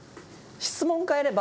質問を変えれば。